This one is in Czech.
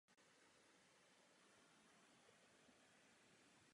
Jeho cílem je vyvíjet technologie pro plnou digitální animaci a chytrá zařízení.